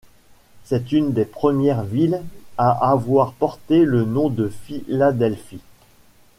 C'est une des premières villes à avoir porté le nom de Philadelphie.